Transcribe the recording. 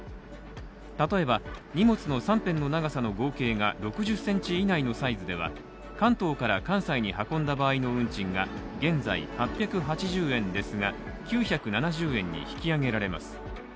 例えば、荷物の３辺の長さの合計が６０ｃｍ以内のサイズでは関東から関西に運んだ場合の運賃が現在８８０円ですが、９７０円に引き上げられます。